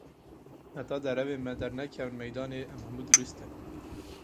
Heta derewên me dernekevin meydanê, em hemû durist in.